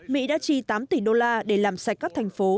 mỹ đã chi tám tỷ đô la để làm sạch các thành phố